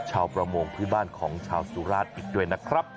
ชาวประมงพื้นบ้านของชาวสุราชอีกด้วยนะครับ